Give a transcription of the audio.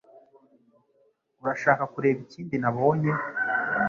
Urashaka kureba ikindi nabonye?